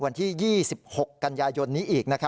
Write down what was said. วันที่๒๖กันยายนนี้อีก